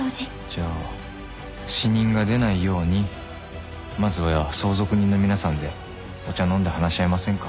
「じゃあ死人が出ないようにまずは相続人の皆さんでお茶飲んで話し合いませんか？」